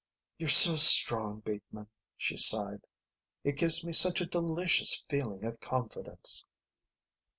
"You're so strong, Bateman," she sighed. "It gives me such a delicious feeling of confidence."